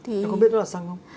em có biết đó là xăng không